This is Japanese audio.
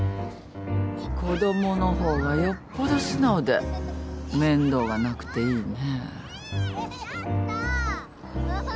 子供の方がよっぽど素直で面倒がなくていいね。